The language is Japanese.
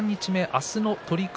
明日の取組